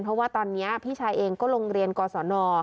เพราะว่าตอนนี้พี่ชายเองก็ลงเรียนกศน